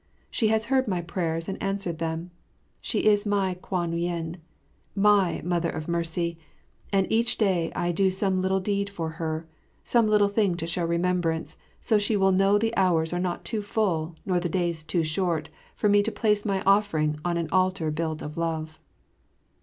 She has heard my prayers and answered them. She is my Kwan yin, my Mother of Mercy, and each day I do some little deed for her, some little thing to show remembrance, so she will know the hours are not too full nor the days too short for me to place my offering on an altar built of love.